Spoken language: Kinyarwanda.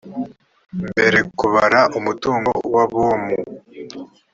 mbere kubara umutungo wabomu